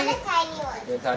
ini tiny one